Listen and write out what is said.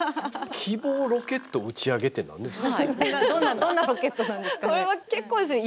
「希望ロケット打ち上げ」って何ですか？